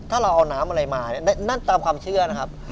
ถ้าเราเอาน้ำอะไรมานั่นตามความเชื่อนะครับ